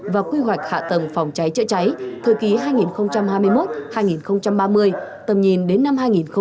và quy hoạch hạ tầng phòng cháy chữa cháy thời kỳ hai nghìn hai mươi một hai nghìn ba mươi tầm nhìn đến năm hai nghìn năm mươi